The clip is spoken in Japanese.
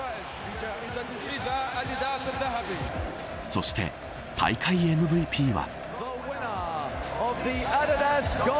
そして大会ＭＶＰは。